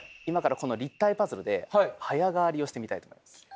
今からこの立体パズルで早替りをしてみたいと思います。